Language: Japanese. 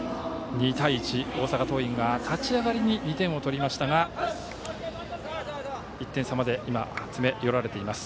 ２対１、大阪桐蔭は立ち上がりに２点を取りましたが１点差まで詰め寄られています。